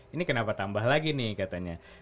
ini kenapa tambah lagi nih katanya